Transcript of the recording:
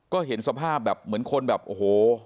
ก็เห็นสภาพแบบเหมือนคนแบบโอ้โห